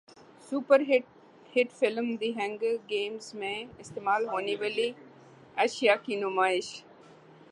super hit film The Hunger Games میں استعمال ہونیوالی اشیاء کی نمائش